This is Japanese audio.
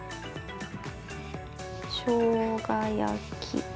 しょうが焼き。